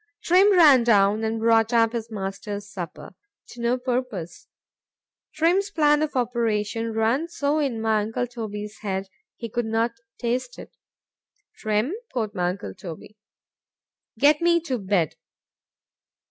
Trim ran down and brought up his master's supper,—to no purpose:—Trim's plan of operation ran so in my uncle Toby's head, he could not taste it.—Trim, quoth my uncle Toby, get me to bed.